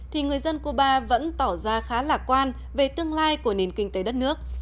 thì người dân cuba vẫn tỏ ra khá lạc quan về tương lai của nền kinh tế đất nước